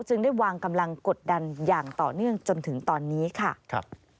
จึงได้วางกำลังกดดันอย่างต่อเนื่องจนถึงตอนนี้ค่ะ